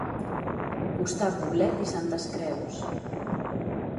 Costar Poblet i Santes Creus.